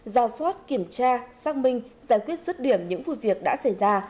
giao suất kiểm tra xác minh giải quyết dứt điểm những vụ việc đã xảy ra